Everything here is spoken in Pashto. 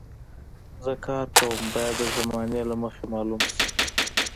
زه کار کوم باید د زمانې له مخې معلوم شي.